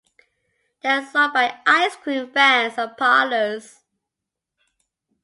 They are sold by ice cream vans and parlours.